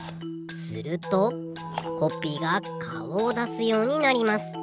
するとコッピーがかおをだすようになります。